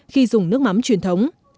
khi dùng nước mắm truyền thống